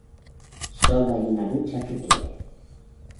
Sólo hay una lucha que quiere.